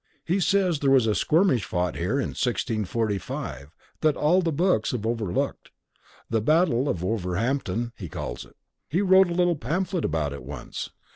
He says there was a skirmish fought here in 1645 that all the books have overlooked. The Battle of Wolverhampton, he calls it. He wrote a little pamphlet about it once."